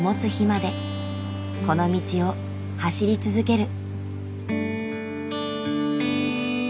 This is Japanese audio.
この道を走り続ける。